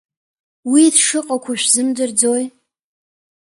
Уи дшыҟақәоу шәзымдырӡои?